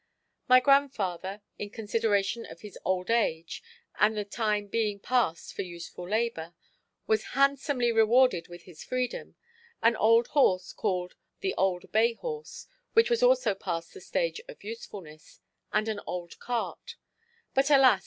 My grandfather, in consideration of his old age and the time being past for useful labor, was handsomely rewarded with his freedom, an old horse called the "old bay horse"—which was also past the stage of usefulness—and an old cart; but, alas!